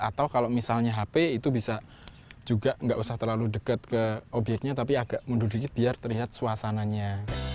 atau kalau misalnya hp itu bisa juga nggak usah terlalu dekat ke obyeknya tapi agak mundur dikit biar terlihat suasananya